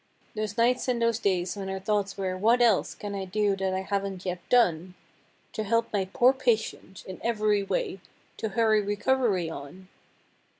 Those nights and those days when her thoughts were, "What else Can I do that I haven't yet done To help my 'poor patient' in every way To hurry recovery on?"